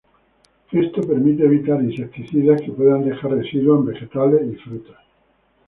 Esto permite evitar insecticidas que puedan dejar residuos en vegetales y frutas.